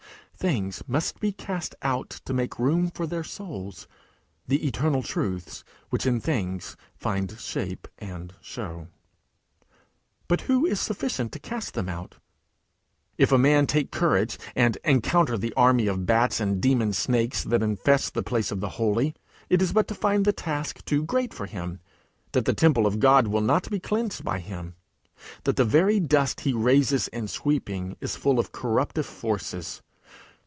Things must be cast out to make room for their souls the eternal truths which in things find shape and show. But who is sufficient to cast them out? If a man take courage and encounter the army of bats and demon snakes that infests the place of the Holy, it is but to find the task too great for him; that the temple of God will not be cleansed by him; that the very dust he raises in sweeping is full of corruptive forces.